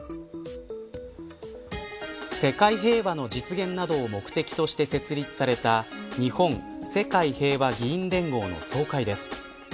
世界平和の実現などを目的として設立された日本・世界平和議員連合の総会です。